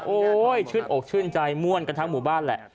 ชื่นอกชื่นใจม่วนกันทั้งหมู่บ้านแหละ